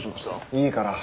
いいから。